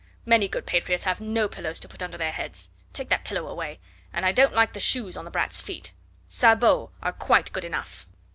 Many good patriots have no pillows to put under their heads. Take that pillow away; and I don't like the shoes on the brat's feet; sabots are quite good enough."